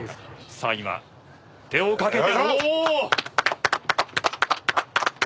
さあ今手を掛けた。